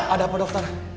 ada apa dokter